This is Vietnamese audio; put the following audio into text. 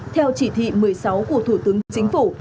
theo chỉ thị một mươi sáu của thủ tướng chính phủ